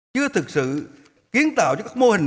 chưa thực sự kiến tạo cho các mô hình